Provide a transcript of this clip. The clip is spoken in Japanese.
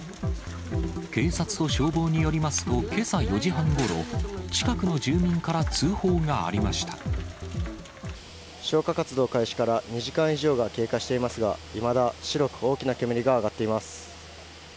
警察と消防によりますと、けさ４時半ごろ、近くの住民から通報が消火活動開始から２時間以上が経過していますが、いまだ、白く大きな煙が上がっています。